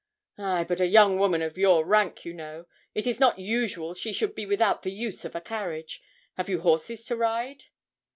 'Ay, but a young woman of your rank, you know, it is not usual she should be without the use of a carriage. Have you horses to ride?'